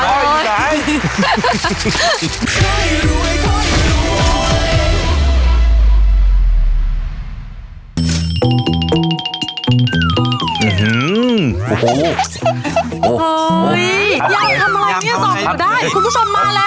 เฮ้ยยังทำอะไรนี่สอบก็ได้คุณผู้ชมมาแล้ว